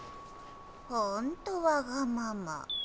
ほんとわがまま。